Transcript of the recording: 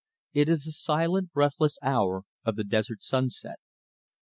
It is the silent, breathless hour of the desert sunset.